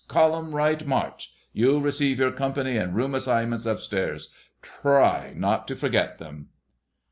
Column right, march! You'll receive your company and room assignments upstairs. Try not to forget them!"